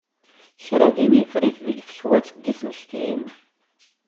Kra din yeffer-it deg tekwat n yismektiyen.